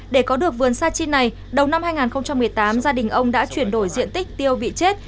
để có được vườn sa chi này đầu năm hai nghìn một mươi tám gia đình ông đã chuyển đổi diện tích tiêu bị chết